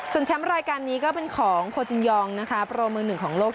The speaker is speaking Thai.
ส่วนแชมป์รายการนี้ก็เป็นของโคจินยองนะคะโปรมือหนึ่งของโลก